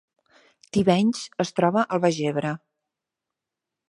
Tivenys es troba al Baix Ebre